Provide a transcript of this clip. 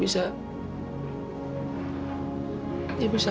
tidak ada kolom